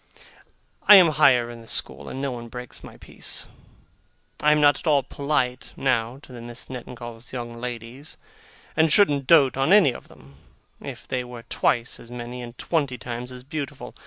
I am higher in the school, and no one breaks my peace. I am not at all polite, now, to the Misses Nettingalls' young ladies, and shouldn't dote on any of them, if they were twice as many and twenty times as beautiful.